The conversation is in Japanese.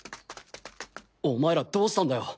お前らどうしたんだよ！？